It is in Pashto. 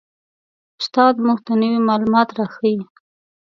استاد موږ ته نوي معلومات را ښیي